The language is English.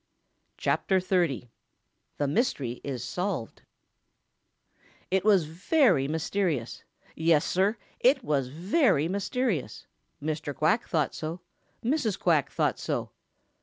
CHAPTER XXX THE MYSTERY IS SOLVED It was very mysterious. Yes, Sir, it was very mysterious. Mr. Quack thought so. Mrs. Quack thought so.